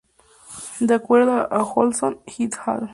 De acuerdo a Ohlson "et al".